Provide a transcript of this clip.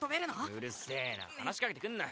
うるせえな話しかけてくんな！